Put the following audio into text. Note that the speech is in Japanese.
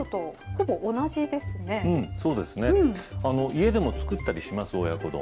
家でも作ったりします親子丼。